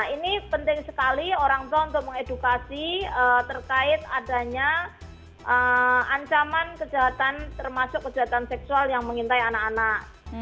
ini penting sekali orang tua untuk mengedukasi terkait adanya ancaman kejahatan termasuk kejahatan seksual yang mengintai anak anak